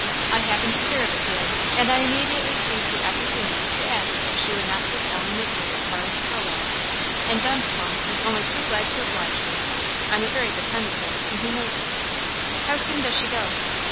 I happened to hear of it to day, and I immediately seized the opportunity to ask if she would not take Ellen with her as far as Thirlwall, and Dunscombe was only too glad to oblige me. I'm a very good friend of his, and he knows it." "How soon does she go?"